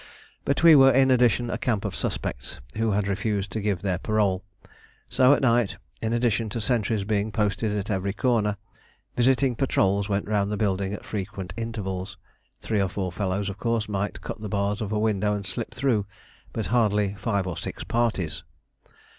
But we were in addition a camp of suspects, who had refused to give their parole; so at night, in addition to sentries being posted at every corner, visiting patrols went round the building at frequent intervals. Three or four fellows, of course, might cut the bars of a window and slip through, but hardly five or six parties.